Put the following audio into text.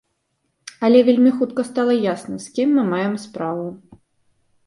Але вельмі хутка стала ясна, з кім мы маем справу.